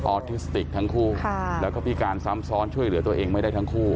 ออทิสติกทั้งคู่แล้วก็พิการซ้ำซ้อนช่วยเหลือตัวเองไม่ได้ทั้งคู่